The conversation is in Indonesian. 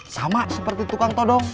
sama seperti tukang todong